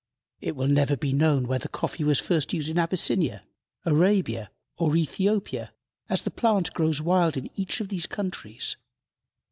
It will never be known whether coffee was first used in Abyssinia, Arabia, or Ethiopia, as the plant grows wild in each of these countries.